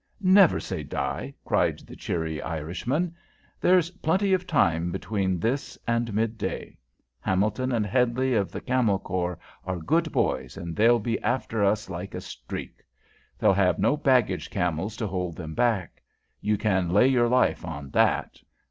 "Never say die!" cried the cheery Irishman. "There's plenty of time between this and mid day. Hamilton and Hedley of the Camel Corps are good boys, and they'll be after us like a streak. They'll have no baggage camels to hold them back, you can lay your life on that!